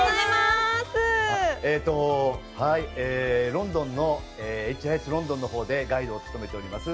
ロンドンのＨＩＳロンドンのほうでガイドを務めております